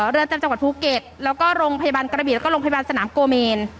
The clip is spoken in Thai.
เรือนจำจังหวัดภูเก็ตแล้วก็โรงพยาบาลกระบีแล้วก็โรงพยาบาลสนามโกเมน